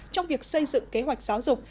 trong việc xây dựng kế hoạch giáo dục